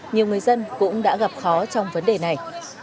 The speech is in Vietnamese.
nhiều người dân cũng đã gặp khó trong vấn đề này